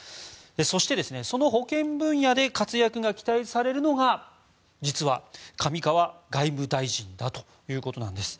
そして、その保健分野で活躍が期待されるのが実は、上川外務大臣ということなんです。